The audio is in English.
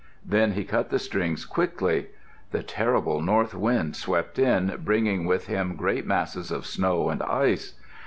Then he cut the strings quickly. The terrible North Wind swept in, bringing with him great masses of snow and ice.